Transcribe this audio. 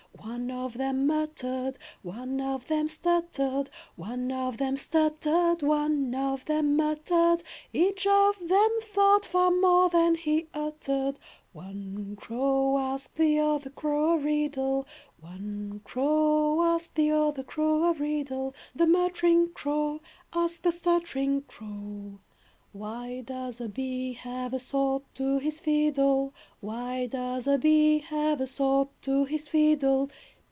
One of them muttered, one of them stuttered, One of them stuttered, one of them muttered. Each of them thought far more than he uttered. One crow asked the other crow a riddle. One crow asked the other crow a riddle: The muttering crow Asked the stuttering crow, "Why does a bee have a sword to his fiddle? Why does a bee have a sword to his fiddle?"